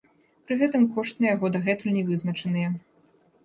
Пры гэтым кошт на яго дагэтуль не вызначаныя.